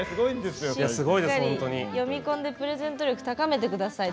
読み込んでプレゼン能力高めてください。